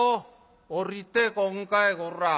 「下りてこんかいこら！